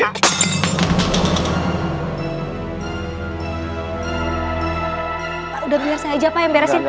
pak udah biar saya aja pak yang beresin